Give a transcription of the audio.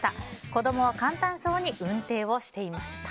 子供は簡単そうにうんていをしていました。